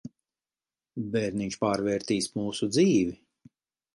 Bērniņš pārvērtīs mūsu dzīvi.